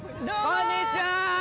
こんにちは！